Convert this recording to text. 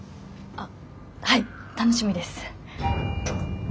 あはい楽しみです。